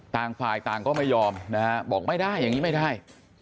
ต่างฝ่ายต่างก็ไม่ยอมนะฮะบอกไม่ได้อย่างนี้ไม่ได้